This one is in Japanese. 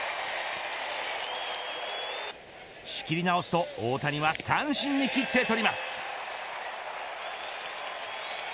仕切り直すと大谷は三振に切って取ります。